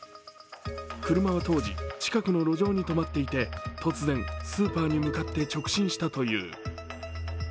車は当時、近くの路上に止まっていて、突然、スーパーに向かって直進したという。